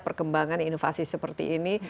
perkembangan inovasi seperti ini